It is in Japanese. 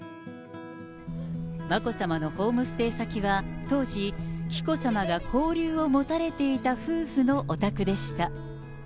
眞子さまのホームステイ先は当時、紀子さまが交流を持たれていた夫婦のお宅でした。